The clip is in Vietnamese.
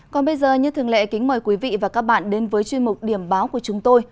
còn bây giờ như thường lệ kính mời quý vị và các bạn đến với chuyên mục điểm báo của chúng tôi